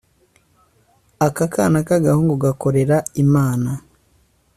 akana k’agahungu gakorera imana